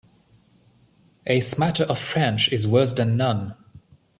A smatter of French is worse than none.